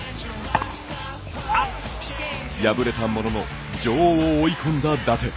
敗れたものの女王を追い込んだ伊達。